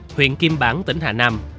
huyện kim bản tỉnh hà nam